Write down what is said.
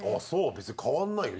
別に変わらないよ。